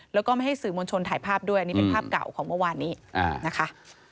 แล้วก็ไม่ให้สื่อมวลชนถ่ายภาพด้วยอันนี้เป็นภาพเก่าของเมื่อวานนี้นะคะ